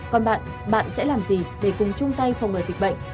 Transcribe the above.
còn bạn bạn sẽ làm gì để cùng chung tay phòng ngừa dịch bệnh